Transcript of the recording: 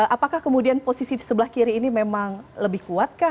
apakah kemudian posisi di sebelah kiri ini memang lebih kuat kah